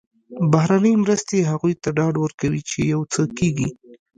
بهرنۍ مرستې هغوی ته ډاډ ورکوي چې یو څه کېږي.